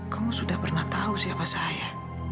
kamu sudah pernah tahu siapa saya